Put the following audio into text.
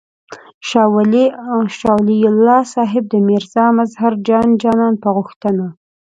شاه ولي الله صاحب د میرزا مظهر جان جانان په غوښتنه.